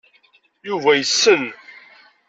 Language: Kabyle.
Yuba yessen.